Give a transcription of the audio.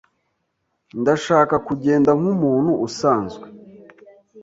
Ndashaka kugenda nkumuntu usanzwe.